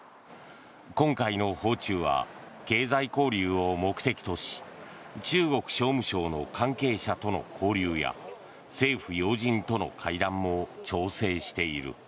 今回の訪中は経済交流を目的とし中国商務省の関係者との交流や政府要人との会談も調整している。